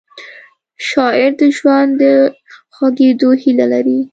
شاعر د ژوند د خوږېدو هیله لري